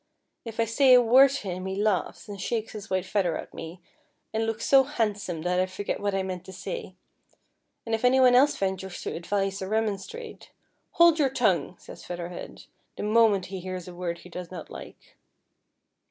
If I say a word to him he laughs, and shakes his white feather at me, and looks so handsome that I forget what I meant to say, and if any one else ventures to advise or remon strate, ' Hold your tongue,' says Feather Head, the moment he hears a word he does hot like."